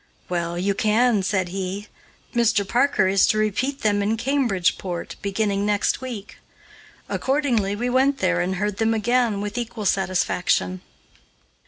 "Well, you can," said he, "Mr. Parker is to repeat them in Cambridgeport, beginning next week." Accordingly we went there and heard them again with equal satisfaction.